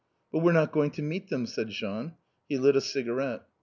"But we're not going to meet them!" said Jean. He lit a cigarette.